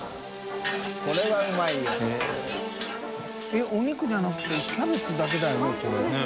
えっお肉じゃなくてキャベツだけだよね？